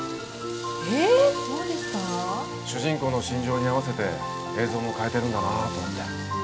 主人公の心情に合わせて映像も変えてるんだなと思って。